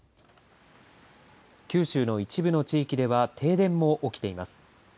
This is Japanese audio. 九州の一部の地域では停電も起きています。